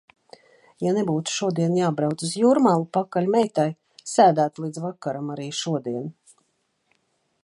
Ja nebūtu šodien jābrauc uz Jūrmalu pakaļ meitai, sēdētu līdz vakaram arī šodien.